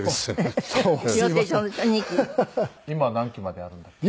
今何期まであるんだっけ？